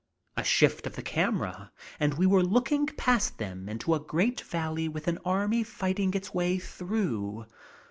A shift of the camera and we were looking past them into a great valley with an army fighting its way through.